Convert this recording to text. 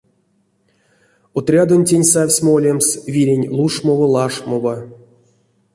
Отрядонтень савсь молемс вирень лушмова-лашмова.